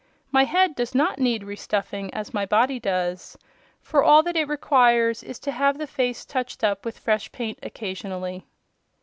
My head does not need re stuffing, as my body does, for all that it requires is to have the face touched up with fresh paint occasionally."